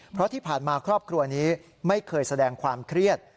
เพราะที่ผ่านมาครอบครัวนี้ไม่เคยแสดงความเครียด